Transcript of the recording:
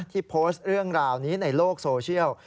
ที่โพสต์เรื่องราวนี้ในโลกโซเชียล